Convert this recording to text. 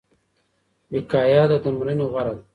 وقايه له درملنې غوره ده.